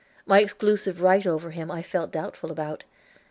My exclusive right over him I felt doubtful about.